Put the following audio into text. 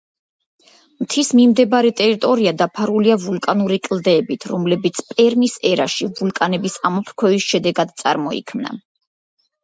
მთის მიმდებარე ტერიტორია დაფარულია ვულკანური კლდეებით, რომლებიც პერმის ერაში, ვულკანების ამოფრქვევის შედეგად წარმოიქმნა.